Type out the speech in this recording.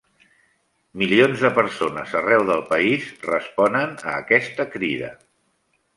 Milions de persones arreu del país responen a aquesta crida.